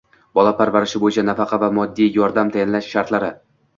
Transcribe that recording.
Bola parvarishi bo‘yicha nafaqa va moddiy yordam tayinlash shartlari